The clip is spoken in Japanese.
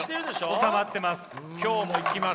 収まってます。